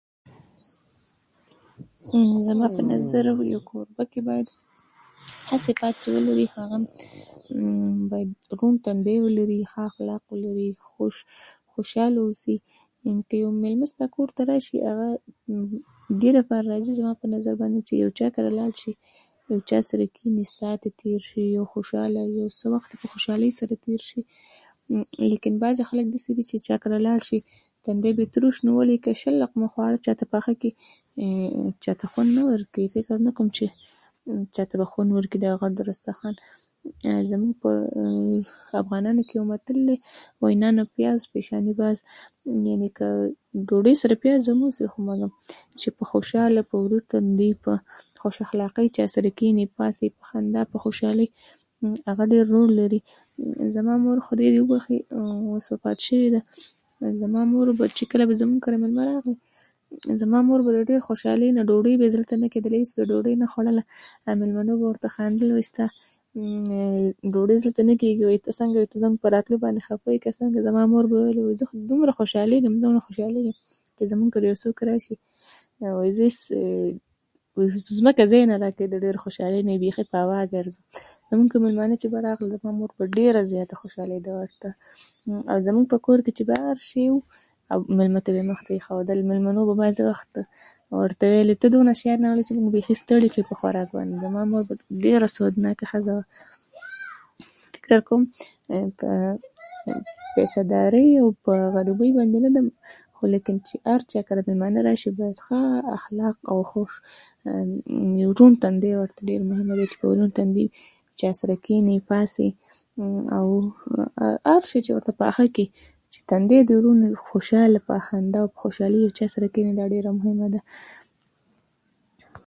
"زما په نظر، په یو کوربه کې باید هسې ښه صفت ولري. هغه هم باید روڼ تندی ولري، ښه اخلاق ولري، خوشحاله اوسي. که یو مېلمه ستا کور ته راشي، هغه د دې لپاره راځي چې، زما په نظر باندې، چې یو چا کره لاړ شي، د یو چا سره کېني، ساعت یې تېر شي، یو خوشحاله وي، یو څو وخت یې په خوشحالۍ سره تېر شي. لیکن بعضې خلک دسې دي چې چا کره لاړ شي، تندی یې ترش نیولی وي. که شل رقم خواړه چا ته پاخه کړي، چا ته خوند نه ورکوي، ځکه فکر نه کوم چا ته به خوند ورکړي د هغه دسترخوان. او زمونږ په افغانانو کې یو متل دی، وایي: ""نان، پیاز، پیشاني باز""، یعنې که ډوډۍ سره پیاز هم وي، خو چې په خوشحالۍ، په روڼ تندي، په خوش اخلاقۍ چا سره کېني، پاڅي، په خندا، په خوشحالۍ. هغه ډېر زور لري. زما مور، خدای دې وبخښي، اوس وفات شوې ده. زما مور به چی کله بو زمونږ کره مېلمانه راغلل، زما مور د ډېرې خوشحالۍ نه، ډوډۍ به یې زړه ته نه کېدله، هېڅ به یې ډوډۍ نه خوړله. او مېلمانه به ورته خندل: ""ستا ډوډۍ زړه ته نه کېږي؟ ته ځنکه زمونږ په راتلو باندې خفه یې؟"" که ځنګه؟ زما مور به ویل: ""زه خو دومره خوشحالږم ، دومره خوشحالیږم چی زمونږ کره یو څوک راشي، زه هېڅ ځمکه ځای نه راکوي، د ډېرې خوشحالۍ نه بېخي په هوا ګرځم."" او مونږ کره مېلمانه چې په راغلل، زما مور به ډېره زیاته خوشحاليده کېدله او زمونږ په کور کې که به هر شی و، مېلمه ته به مخته اېښودل. مېلمنو به بعضې وخت ورته ویلې چې: ""ته دومره شیان راوړې، موږ بېخي ستړي کړې په خوراک باندې."" او زما مور ډېره سوتناکه ښځه وه. فکر کوم په پیسه دارۍ او غریبۍ باندې نه ده، خو لیکن چې هر چا کره چې مېلمانه راشي، باید ښه اخلاق او خوش روڼ تندی ورکړي. ډېر مهمه دي چې په روڼ تندي چا سره کېني، پاسي او هر شی چی ورته پاخه کړی چی تندي د روڼ نه وی خوشحاله په خندا په خوشحالی چا سره کینی دا ډیره مهمه ده."